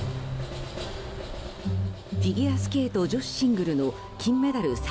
フィギュアスケート女子シングルの金メダル